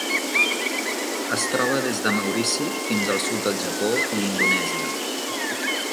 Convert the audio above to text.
Es troba des de Maurici fins al sud del Japó i Indonèsia.